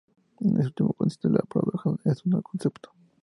En eso último consiste la paradoja de este no-concepto.